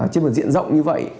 trên một diện rộng như vậy